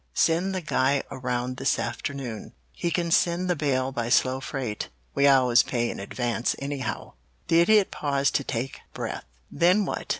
Send the guy around this afternoon. He can send the bale by slow freight. We always pay in advance anyhow." The Idiot paused to take breath. "Then what?"